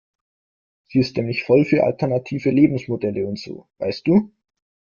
Sie ist nämlich voll für alternative Lebensmodelle und so, weißt du?